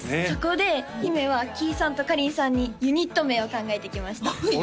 そこで姫はキイさんとかりんさんにユニット名を考えてきました